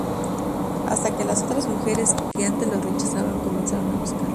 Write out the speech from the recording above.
Hasta que las otras mujeres, que antes lo rechazaban comenzaron a buscarlo.